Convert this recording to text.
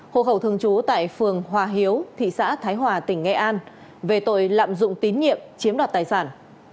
hộ khẩu thường trú tại phường hòa hiếu thị xã thái hòa tỉnh nghệ an về tội lạm dụng tín nhiệm chiếm đoạt tài sản